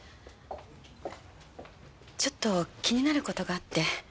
ちょっと気になる事があって。